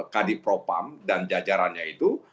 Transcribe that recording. kd propam dan jajarannya itu